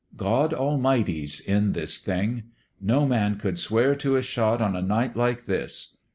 God Almighty's in this thing. No man could swear to a shot on a night like this.